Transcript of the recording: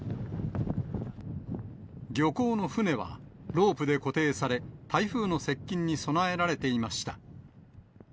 漁港の船は、ロープで固定され、台風の接近に備えられていました。